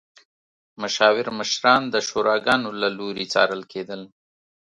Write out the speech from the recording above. مشاور مشران د شوراګانو له لوري څارل کېدل.